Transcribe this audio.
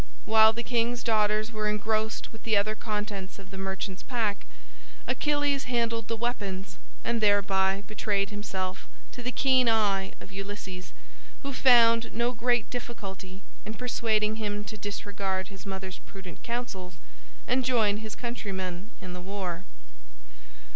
While the king's daughters were engrossed with the other contents of the merchant's pack, Achilles handled the weapons and thereby betrayed himself to the keen eye of Ulysses, who found no great difficulty in persuading him to disregard his mother's prudent counsels and join his countrymen in the war.